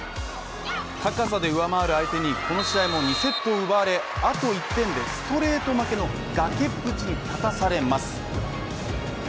高さで上回る相手にこの試合も２セットを奪われあと１点でストレート負けの崖っぷちに立たされます。